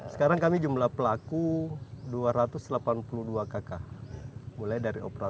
sekarang kami jumlah pelaku dua ratus delapan puluh dua kakak mulai dari operator